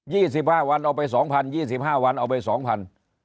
สิบห้าวันเอาไปสองพันยี่สิบห้าวันเอาไปสองพัน